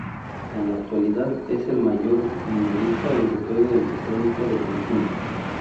En la actualidad, es el mayor minorista europeo de electrónica de consumo.